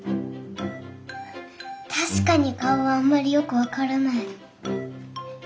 確かに顔はあんまりよく分からない。